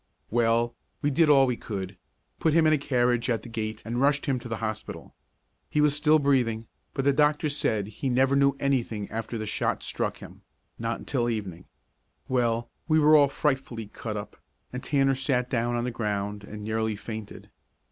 Well, we did all we could; put him in a carriage at the gate and rushed him to the hospital. He was still breathing, but the doctor said he never knew anything after the shot struck him not until evening. Well, we were all frightfully cut up, and Tanner sat down on the ground and nearly fainted.